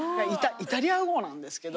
イタリア語なんですけど。